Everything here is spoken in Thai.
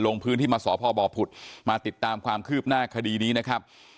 ลงพื้นที่มาสพบผุดมาติดตามความคืบหน้าคดีนี้นะครับ